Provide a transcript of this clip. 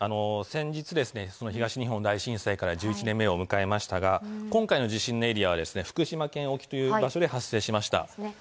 先日、東日本大震災から１１年目を迎えましたが、今回の地震のエリアは福島県沖という場所で発生しました。